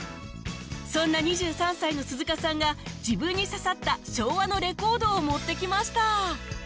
そんな２３歳の鈴鹿さんが自分に刺さった昭和のレコードを持ってきました